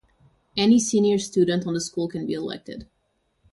Any senior student on the school can be elected.